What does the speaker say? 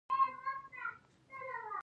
ښاروالي د ښار د پاکوالي مسووله ده